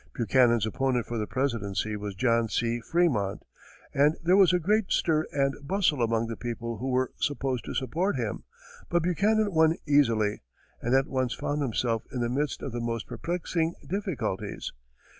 Buchanan's opponent for the presidency was John C. Frémont, and there was a great stir and bustle among the people who were supposed to support him, but Buchanan won easily, and at once found himself in the midst of the most perplexing difficulties.